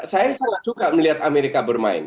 saya sangat suka melihat amerika bermain